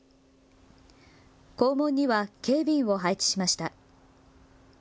校門には警備員を配置しました。